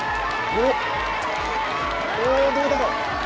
おー、どうだろう。